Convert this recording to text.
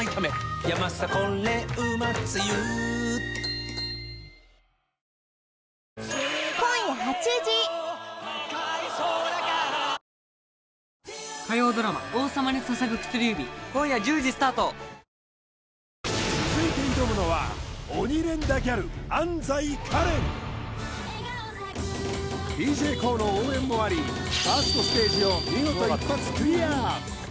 「エイト・フォーアロマスイッチ」新発売続いて挑むのはＤＪＫＯＯの応援もありファーストステージを見事一発クリア